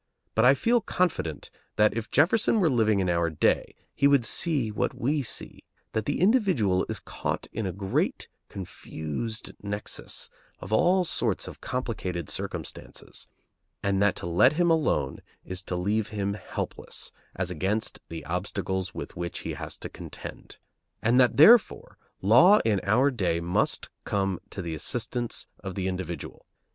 But I feel confident that if Jefferson were living in our day he would see what we see: that the individual is caught in a great confused nexus of all sorts of complicated circumstances, and that to let him alone is to leave him helpless as against the obstacles with which he has to contend; and that, therefore, law in our day must come to the assistance of the individual.